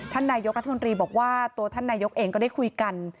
ท่านนายกรัฐมนตรีบอกว่าตัวท่านนายกเองก็ได้คุยกัน